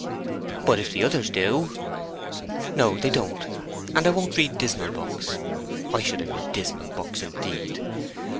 "But if the others do—" "No, they don't; and I won't read dismal books. Why should I read dismal books, indeed?